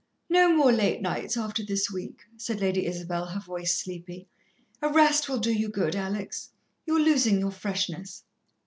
"No more late nights after this week," said Lady Isabel, her voice sleepy. "A rest will do you good, Alex. You are losing your freshness."